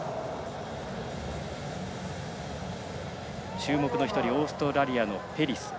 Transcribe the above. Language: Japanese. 注目のオーストラリアペリス。